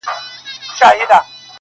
که د کندهار خلک تعلیم ځکه نه کوي